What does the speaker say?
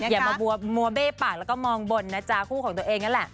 อย่ามามัวเบ้ปากแล้วก็มองบนนะจ๊ะคู่ของตัวเองนั่นแหละ